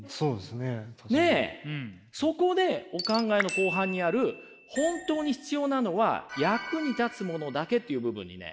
そこでお考えの後半にある「本当に必要なのは役に立つものだけ」という部分にね